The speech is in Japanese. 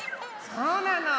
そうなの。